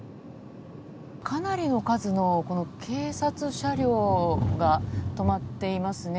かなりの数の警察車両が止まっていますね。